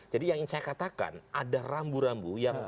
jadi yang saya katakan ada rambu rambu yang